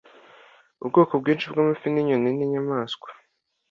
Ubwoko bwinshi bwamafi inyoni ninyamaswa